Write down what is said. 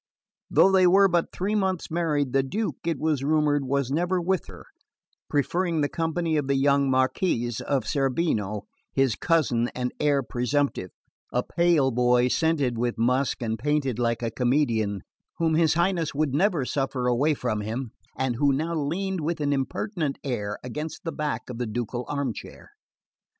Though they were but three months married the Duke, it was rumoured, was never with her, preferring the company of the young Marquess of Cerveno, his cousin and heir presumptive, a pale boy scented with musk and painted like a comedian, whom his Highness would never suffer away from him and who now leaned with an impertinent air against the back of the ducal armchair.